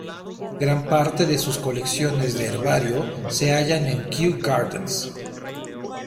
Gran parte de sus colecciones de herbario se hallan en Kew Gardens